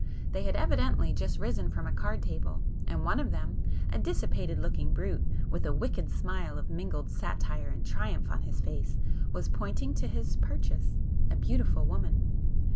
They had evidently just risen from a card table,—and one of them, a dissipated looking brute, with a wicked smile of mingled satire and triumph on his face was pointing to his 'purchase,'—a beautiful woman.